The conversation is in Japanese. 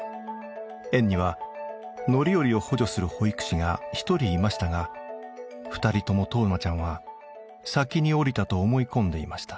園には乗り降りを補助する保育士が１人いましたが２人とも冬生ちゃんは先に降りたと思い込んでいました。